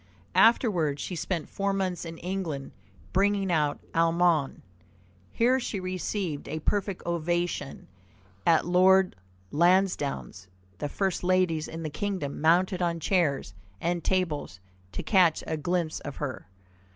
Afterward she spent four months in England, bringing out Allemagne. Here she received a perfect ovation. At Lord Lansdowne's the first ladies in the kingdom mounted on chairs and tables to catch a glimpse of her.